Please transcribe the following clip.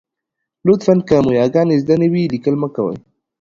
لطفاً! که مو یاګانې زده نه وي، لیکل مه کوئ.